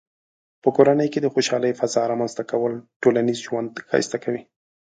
په کورنۍ کې د خوشحالۍ فضاء رامنځته کول ټولنیز ژوند ښایسته کوي.